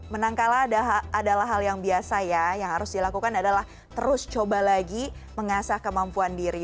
menang kalah adalah hal yang biasa ya yang harus dilakukan adalah terus coba lagi mengasah kemampuan diri